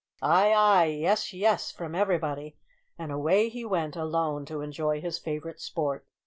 "Ay, ay; yes, yes," from everybody; and away he went alone to enjoy his favourite sport.